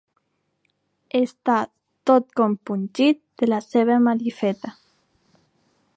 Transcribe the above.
Està tot compungit de la seva malifeta.